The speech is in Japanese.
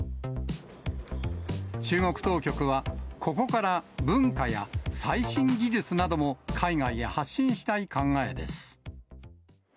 中国当局は、ここから文化や最新技術なども海外へ発信したい考えです。